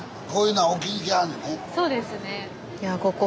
そうですね。